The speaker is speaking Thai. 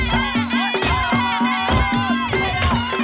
ยังไงพี่